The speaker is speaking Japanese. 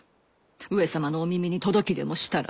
上様のお耳に届きでもしたら。